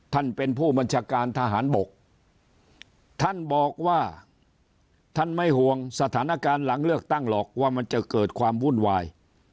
ท่านเป็นผู้บัญชาการทหารบกท่านบอกว่าท่านไม่ห่วงสถานการณ์หลังเลือกตั้งหรอกว่ามันจะเกิดความวุ่นวาย